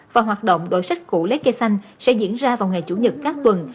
và hoạt động đổi sách cũ lấy cây xanh sẽ diễn ra vào ngày chủ nhật các tuần